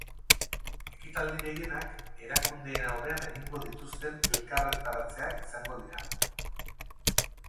Ekitaldi gehienak erakundeen aurrean egingo dituzten elkarretaratzeak izango dira.